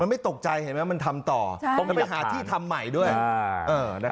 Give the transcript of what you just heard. มันไม่ตกใจเห็นไหมมันทำต่อต้องไปหาที่ทำใหม่ด้วย